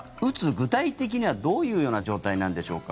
具体的にはどういうような状態なんでしょうか。